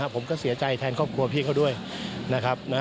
ผมก็เสียใจแทนครอบครัวพี่เขาด้วยนะครับ